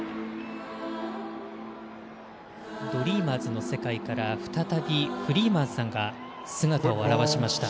「Ｄｒｅａｍｅｒｓ」の世界から再びフリーマンさんが姿を現しました。